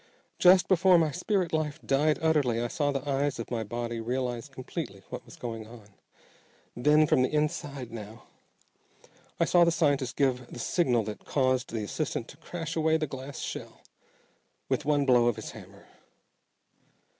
Just before my spirit life died utterly I saw the eyes of my body realize completely what was going on, then from the inside now I saw the scientist give the signal that caused the assistant to crash away the glass shell with one blow of his hammer.